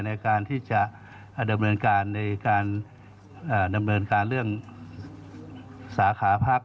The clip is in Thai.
ในการที่จะดำเนินการในการดำเนินการเรื่องสาขาพัก